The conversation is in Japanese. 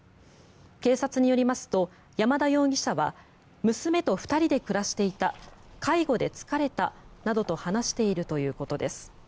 警察によりますと山田容疑者は娘と２人で暮らしていた介護で疲れたなどと話しているということです。